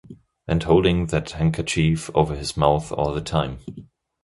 And holding that handkerchief over his mouth all the time.